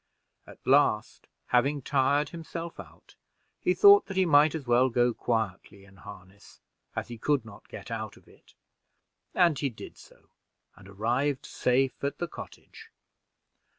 At last, having tired himself out, he thought that he might as well go quietly in harness, as he could not get out of it; and he did so, and arrived safe at the cottage.